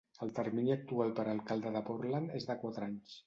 El termini actual per a alcalde de Portland és de quatre anys.